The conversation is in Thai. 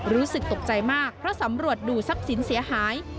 รู้สึกตกใจมากเพราะสำรวจดูทรัพย์สินเสียหาย